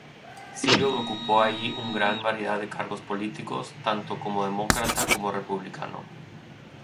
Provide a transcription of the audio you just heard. Sigel ocupó allí una gran variedad de cargos políticos, tanto como demócrata como republicano.